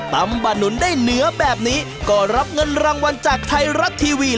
ตำบะหนุนได้เหนือแบบนี้ก็รับเงินรางวัลจากไทยรัฐทีวี